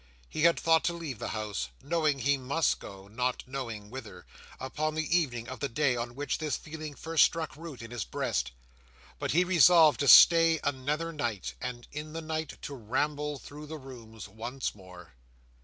He had thought to leave the house—knowing he must go, not knowing whither—upon the evening of the day on which this feeling first struck root in his breast; but he resolved to stay another night, and in the night to ramble through the rooms once more.